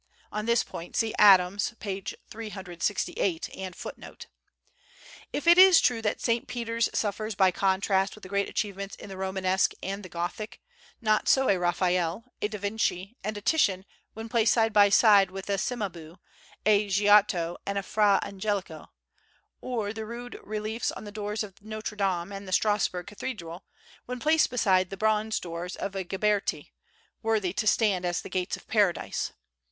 (On this point see Adams, p. 368, and footnote.) If it is true that St. Peter's suffers by contrast with the great achievements in the Romanesque and the Gothic, not so a Raphael, a da Vinci, and a Titian when placed side by side with a Cimabue, a Giotto and a Fra Angelico; or the rude reliefs on the doors of Notre Dame and the Strasburg Cathedral, when placed beside the bronze doors of a Ghiberti, "worthy to stand as the gates of Paradise."